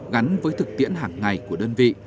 gắn với thực tiễn hàng ngày của đơn vị